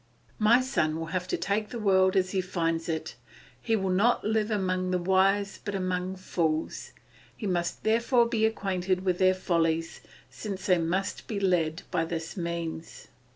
"My son will have to take the world as he finds it, he will not live among the wise but among fools; he must therefore be acquainted with their follies, since they must be led by this means.